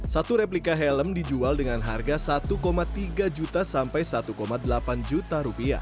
satu replika helm dijual dengan harga rp satu tiga juta sampai rp satu delapan juta